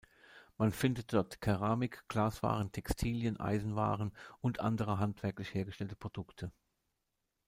Man findet dort Keramik, Glaswaren, Textilien, Eisenwaren und andere handwerklich hergestellte Produkte.